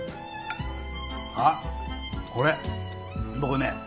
あっこれ僕ねえ